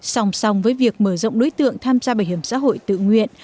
sòng sòng với việc mở rộng đối tượng tham gia bảo hiểm xã hội tự nguyện